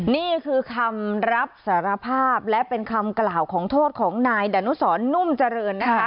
นี่คือคำรับสารภาพและเป็นคำกล่าวของโทษของนายดานุสรนุ่มเจริญนะคะ